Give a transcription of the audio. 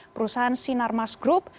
perusahaan sinar mas group